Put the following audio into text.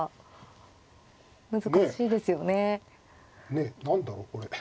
ねえ何だろうこれ。